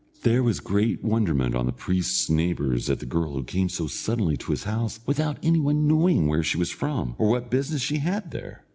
There was great wonderment on the priest's neighbours at the girl who came so suddenly to his house without any one knowing where she was from, or what business she had there.